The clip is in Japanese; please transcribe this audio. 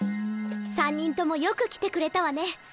３人ともよく来てくれたわね